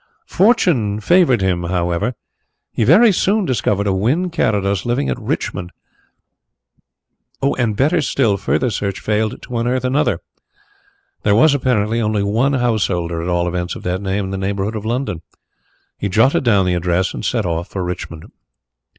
Fortune favoured him, however. He very soon discovered a Wynn Carrados living at Richmond, and, better still, further search failed to unearth another. There was, apparently, only one householder at all events of that name in the neighbourhood of London. He jotted down the address and set out for Richmond.